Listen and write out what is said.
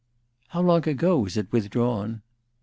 "How long ago was it withdrawn?"